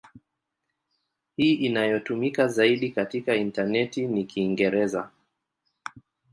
Hii inayotumika zaidi katika intaneti ni Kiingereza.